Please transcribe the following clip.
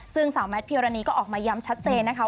ซึ่งสาวแมทพิวรณีก็ออกมาย้ำชัดเจนนะคะ